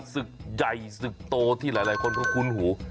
ศึกใหญ่ศึกโตที่หลายคนก็คุ้นหู